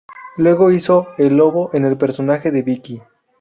Luego hizo "El lobo", en el personaje de Vicky.